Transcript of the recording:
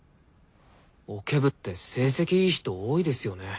オケ部って成績いい人多いですよね。